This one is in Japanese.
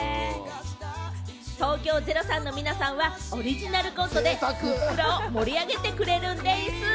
東京０３の皆さんはオリジナルコントでグップラを盛り上げてくれるんでぃす！